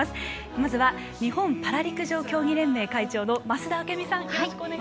まずは日本パラ陸上競技連盟会長増田明美さん。